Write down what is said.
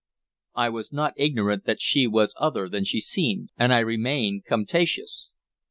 "I was not ignorant that she was other than she seemed, and I remain contumacious."